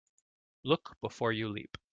Look before you leap.